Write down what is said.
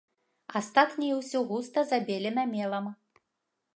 Астатняе ўсё густа забелена мелам.